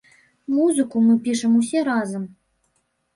Музыку мы пішам усе разам.